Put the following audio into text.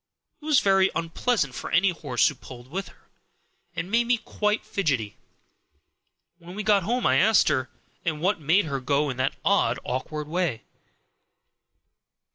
It was very unpleasant for any horse who pulled with her, and made me quite fidgety. When we got home I asked her what made her go in that odd, awkward way.